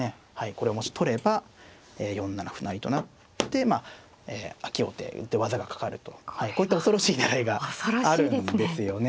これをもし取れば４七歩成と成ってまあ開き王手って技がかかるというこういった恐ろしい狙いがあるんですよね。